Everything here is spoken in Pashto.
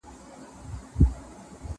زه به د کتابتون لپاره کار کړي وي!